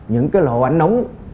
những cái lộ ảnh nóng